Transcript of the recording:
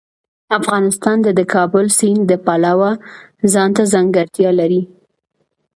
افغانستان د د کابل سیند د پلوه ځانته ځانګړتیا لري.